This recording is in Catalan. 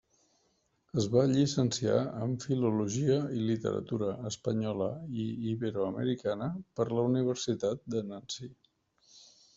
Es va llicenciar en filologia i literatura espanyola i iberoamericana per la Universitat de Nancy.